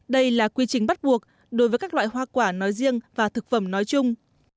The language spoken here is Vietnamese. đây là quy trình bắt buộc đối với các loại hoa quả nói riêng và thực phẩm nói chung